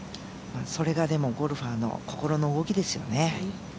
それが、ゴルファーの心の動きですよね。